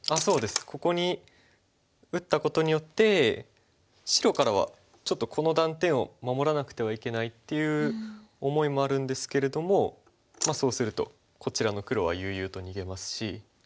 ここに打ったことによって白からはちょっとこの断点を守らなくてはいけないっていう思いもあるんですけれどもそうするとこちらの黒は悠々と逃げますし。